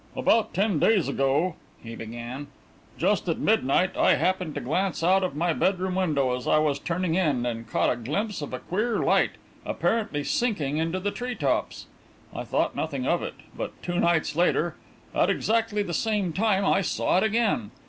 "About ten days ago," he began, "just at midnight, I happened to glance out of my bedroom window, as I was turning in, and caught a glimpse of a queer light apparently sinking into the tree tops. I thought nothing of it; but two nights later, at exactly the same time, I saw it again.